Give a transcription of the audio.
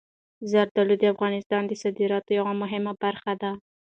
زردالو د افغانستان د صادراتو یوه مهمه برخه ده.